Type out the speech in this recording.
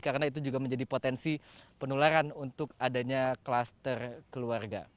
karena itu juga menjadi potensi penularan untuk adanya kluster keluarga